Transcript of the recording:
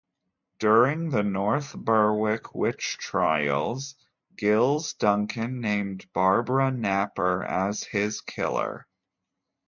During the North Berwick witch trials, Guilles Duncan named Barbara Naper as his killer.